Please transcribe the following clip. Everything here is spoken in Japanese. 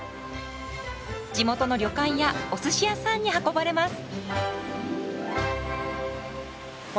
地元の旅館やおすし屋さんに運ばれます。